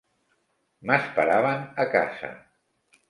M'esperaven a casa.